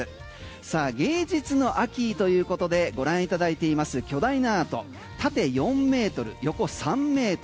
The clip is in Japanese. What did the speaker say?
さあ芸術の秋ということでご覧いただいてます巨大アート縦４ｍ横３ｍ